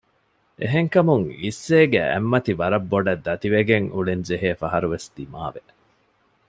އެހެން ކަމުން އިއްސޭގެ އަތްމަތި ވަރަށް ބޮޑަށް ދަތިވެގެން އުޅެން ޖެހޭ ފަހަރުވެސް ދިމާވެ